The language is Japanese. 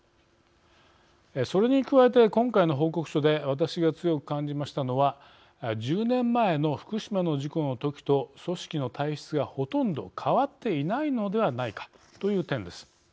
それに加えて今回の報告書で私が強く感じましたのは１０年前の福島の事故のときと組織の体質がほとんど変わっていないのではないかという点です。